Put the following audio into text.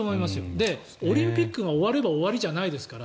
で、オリンピックが終われば終わりじゃないですから。